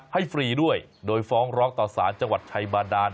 ฟรีด้วยโดยฟ้องร้องต่อสารจังหวัดชัยบาดาน